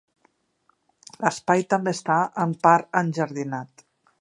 L'espai també està en part enjardinat.